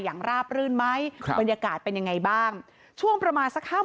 อย่างราบรื่นไหมบรรยากาศเป็นยังไงบ้างช่วงประมาณสัก๕โมง